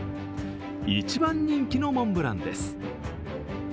一番人気のモンブランです。